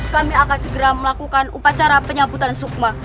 kami akan segera melakukan upacara penyambutan sukma